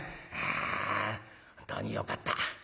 あ本当によかった。